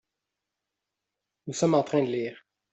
Nous sommes en train de lire.